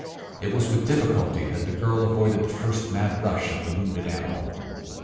It was with difficulty that the girl avoided the first mad rush of the wounded animal.